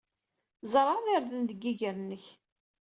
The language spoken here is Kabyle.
Tzerɛeḍ irden deg yiger-nnek.